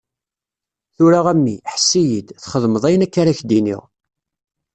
Tura a mmi, ḥess-iyi-d, txedmeḍ ayen akka ara k-d-iniɣ.